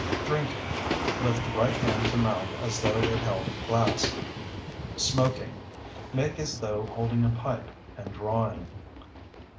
Drinking (Lift right hand to mouth as though it held a glass). Smoking (Make as though holding a pipe and drawing).